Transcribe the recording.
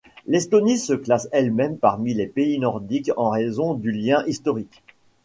L'Estonie se classe elle-même parmi les pays nordiques en raison du lien historique.